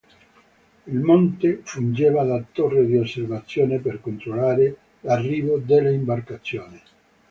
Il monte fungeva da torre di osservazione per controllare l'arrivo delle imbarcazioni.